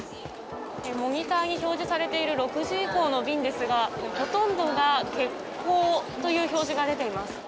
モニターに表示されている６時以降の便ですがほとんどが欠航という表示が出ています。